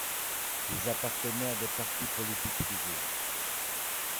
Ils appartenaient à des partis politiques rivaux.